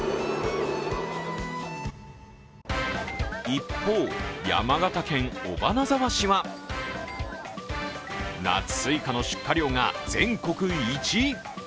一方、山形県尾花沢市は夏スイカの出荷量が全国１位。